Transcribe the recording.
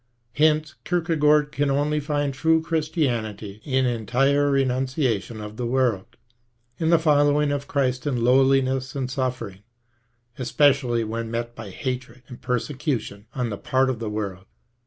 Hence Kierkegaard can only find true Christianity in entire renunciation of the world, in the following of Christ in lowliness and suffering especially when met by hatred and persecution on the part of the world.